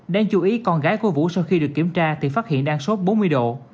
đáng chú ý con gái của vũ sau khi được kiểm tra thì phát hiện đang sốt bốn mươi độ